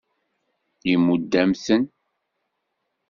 Imudd-am-ten.